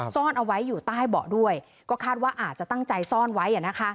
ซ่อนเอาไว้อยู่ใต้เบาะด้วยก็คาดว่าอาจจะตั้งใจซ่อนไว้